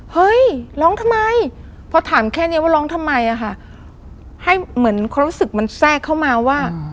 เฮ้ยร้องทำไมพอถามแค่เนี้ยว่าร้องทำไมอะค่ะให้เหมือนความรู้สึกมันแทรกเข้ามาว่า